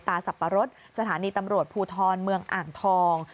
สับปะรดสถานีตำรวจภูทรเมืองอ่างทอง